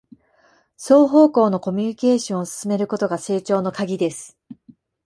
双方向のコミュニケーションを進めることが成長のカギです